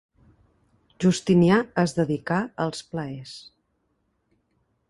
Justinià es dedicà als plaers.